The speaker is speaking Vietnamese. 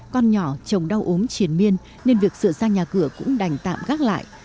con nhỏ chồng đau ốm triển miên nên việc sửa ra nhà cửa cũng đành tạm gác lại